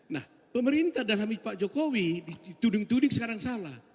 nah pemerintah dalam hal ini pak jokowi dituding tuding sekarang salah